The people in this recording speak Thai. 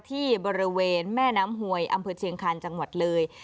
ที่บริเวณแม่น้ำหวยอำเภอเชียงคาญจังหวัดเลย